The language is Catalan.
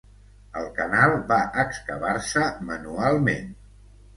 El canal va excavar-se manualment.